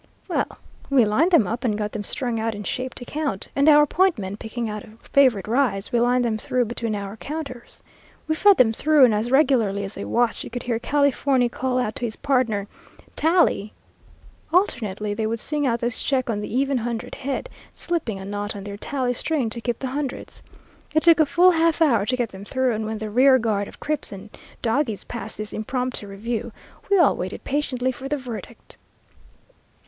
"Well, we lined them up and got them strung out in shape to count, and our point men picking out a favorite rise, we lined them through between our counters. We fed them through, and as regularly as a watch you could hear Californy call out to his pardner 'tally!' Alternately they would sing out this check on the even hundred head, slipping a knot on their tally string to keep the hundreds. It took a full half hour to put them through, and when the rear guard of crips and dogies passed this impromptu review, we all waited patiently for the verdict.